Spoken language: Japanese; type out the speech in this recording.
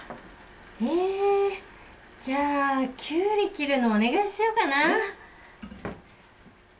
えじゃあキュウリ切るのお願いしようかな。